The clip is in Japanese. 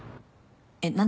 えっ何で？